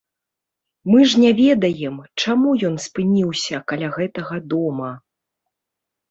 Мы ж не ведаем, чаму ён спыніўся каля гэтага дома.